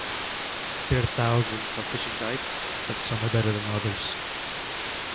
There are thousands of fishing guides but some are better than others.